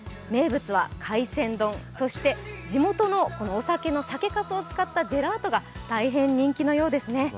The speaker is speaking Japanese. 名物は海鮮丼、地元のお酒の酒かすを使ったジェラートが大変人気のようですね。